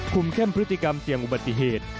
เข้มพฤติกรรมเสี่ยงอุบัติเหตุ